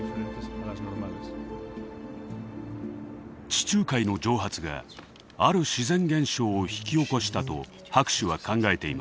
地中海の蒸発がある自然現象を引き起こしたと博士は考えています。